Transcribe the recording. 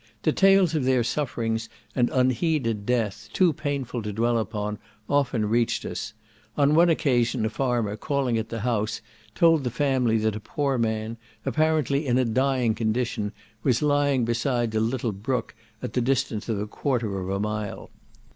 Details of their sufferings, and unheeded death, too painful to dwell upon, often reached us; on one occasion a farmer calling at the house, told the family that a poor man, apparently in a dying condition, was lying beside a little brook at the distance of a quarter of a mile.